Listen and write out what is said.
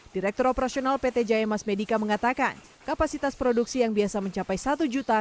direktur operasional pt jaya mas medica mengatakan kapasitas produksi yang biasa mencapai satu juta